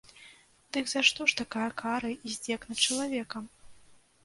Дык за што ж такая кара і здзек над чалавекам?